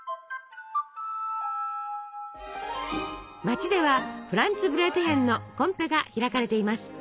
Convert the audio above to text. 街ではフランツブレートヒェンのコンペが開かれています。